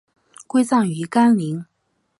归葬于干陵。